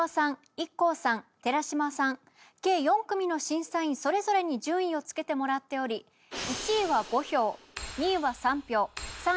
ＩＫＫＯさん寺島さん計４組の審査員それぞれに順位をつけてもらっており１位は５票２位は３票３位は１票入ります